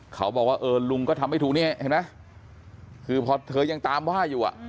เขาบอกว่าเออลุงก็ทำไม่ถูกเนี่ยเห็นไหมคือพอเธอยังตามว่าอยู่อ่ะ